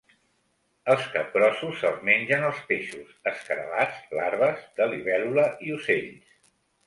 Els capgrossos se'ls mengen els peixos, escarabats, larves de libèl·lula i ocells.